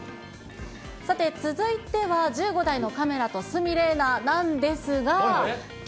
さて、続いては、１５台のカメラと鷲見玲奈なんですが。